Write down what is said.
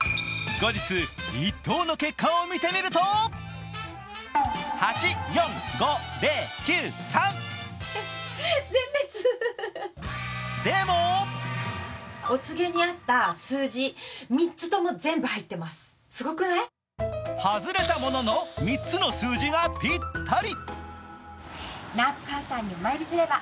後日、１等の結果を見てみるとでも外れたものの３つの数字がぴったり。